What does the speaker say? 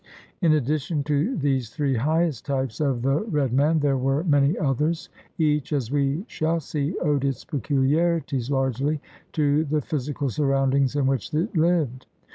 In addition to these three highest types of the red man there were many others. Each, as we shall see, owed its peculiarities largely to the physi cal Gurroundings in which it lived.